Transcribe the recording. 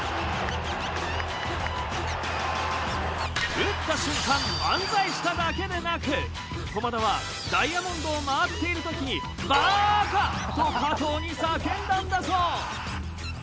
打った瞬間バンザイしただけでなく駒田はダイヤモンドを回っているときにバーカ！！と加藤に叫んだんだそう。